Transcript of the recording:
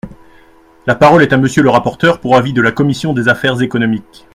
La parole est à Monsieur le rapporteur pour avis de la commission des affaires économiques.